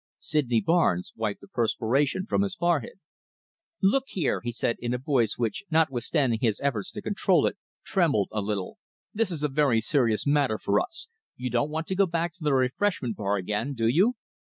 Sydney Barnes wiped the perspiration from his forehead. "Look here," he said in a voice which, notwithstanding his efforts to control it, trembled a little, "this is a very serious matter for us. You don't want to go back to the refreshment bar again, do you?"